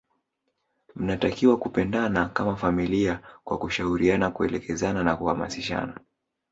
mnatakiwa kupendana kama familia kwa kushauriana kuelekezana na kuhamasishana